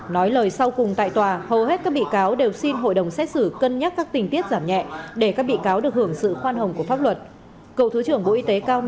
nói lời sau cùng tại tòa hầu hết các bị cáo đều xin hội đồng xét xử cân nhắc các tình tiết giảm nhẹ để các bị cáo được hưởng sự khoan hồng của pháp luật